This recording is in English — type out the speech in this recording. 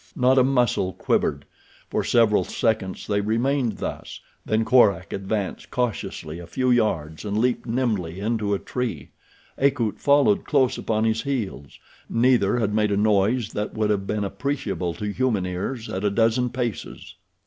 Not a muscle quivered. For several seconds they remained thus, then Korak advanced cautiously a few yards and leaped nimbly into a tree. Akut followed close upon his heels. Neither had made a noise that would have been appreciable to human ears at a dozen paces.